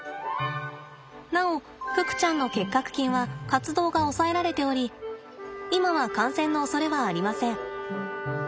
なおふくちゃんの結核菌は活動が抑えられており今は感染のおそれはありません。